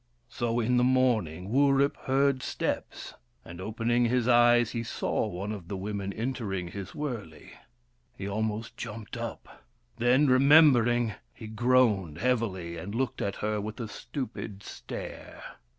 So, in the morning, Wurip heard steps, and open ing his eyes, he saw one of the women entering his wurley. He almost jumped up ; then, remember ing, he groaned heavily, and looked at her with a stupid stare.